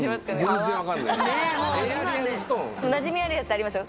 なじみあるやつありますよ。